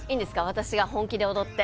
私が本気で踊って。